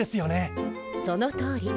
そのとおり。